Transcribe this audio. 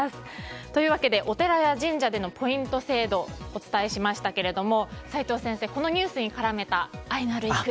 というわけで、お寺や神社でのポイント制度をお伝えしましたけれどもこのニュースに絡めた愛のある一句